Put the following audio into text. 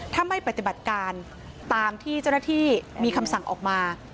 ถ้าไม่ปฏิบัติการตามที่เจ้าหน้าที่มีคำสั่งออกมา